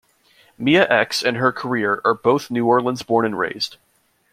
Mia X and her career are both New Orleans born and raised.